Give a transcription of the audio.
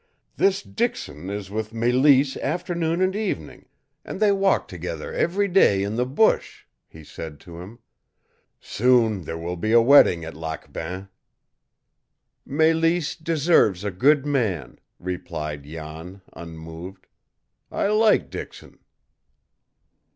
"This Dixon is with Mélisse afternoon and evening, and they walk together every day in the bush," he said to him. "Soon there will be a wedding at Lac Bain!" "Mélisse deserves a good man," replied Jan, unmoved. "I like Dixon."